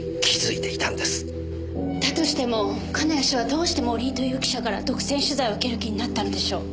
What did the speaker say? だとしても金谷氏はどうして森井という記者から独占取材を受ける気になったのでしょう？